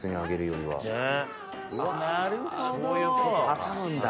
挟むんだ。